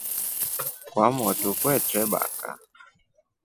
Kwamotu kwetre baka.